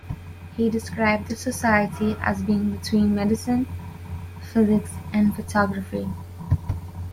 He described the society as being between medicine, physics and photography.